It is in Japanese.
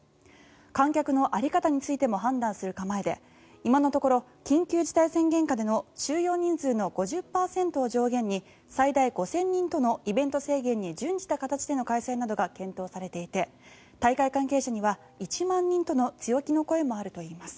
観客の在り方についても判断する構えで今のところ、緊急事態宣言下での収容人数の５０％を上限に最大５０００人とのイベント制限に準じた形での開催などが検討されていて大会関係者には１万人との強気の声もあるといいます。